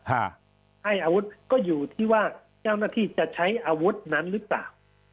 ให้อาวุธก็อยู่ที่ว่าเจ้าหน้าที่จะใช้อาวุธนั้นหรือเปล่า